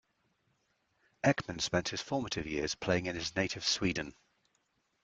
Ekman spent his formative years playing in his native Sweden.